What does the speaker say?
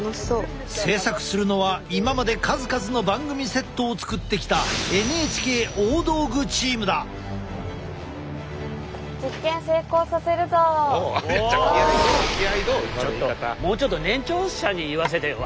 制作するのは今まで数々の番組セットを作ってきたもうちょっと年長者に言わせてよ。